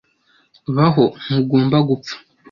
Baho, ntugomba gupfa,